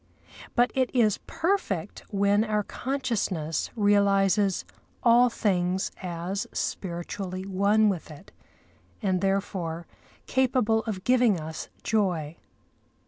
But it is perfect when our consciousness realises all things as spiritually one with it, and therefore capable of giving us joy.